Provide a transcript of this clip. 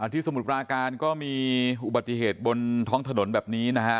สมุทรปราการก็มีอุบัติเหตุบนท้องถนนแบบนี้นะฮะ